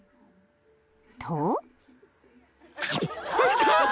と］